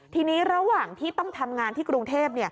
ทีนี้ระหว่างที่ต้องทำงานที่กรุงเทพ